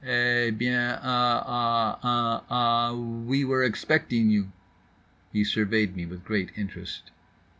"Eh bi en uh ah uh ah—We were expecting you." He surveyed me with great interest.